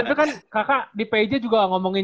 itu kan kakak di pj juga ngomongin